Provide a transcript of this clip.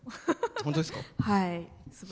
本当ですか？